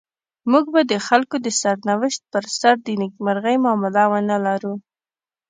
موږ به د خلکو د سرنوشت پر سر د نيکمرغۍ معامله ونلرو.